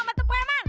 sama si preman